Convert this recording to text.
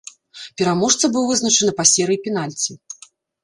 Пераможца быў вызначаны па серыі пенальці.